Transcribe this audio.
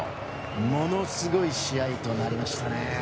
ものすごい試合となりましたね。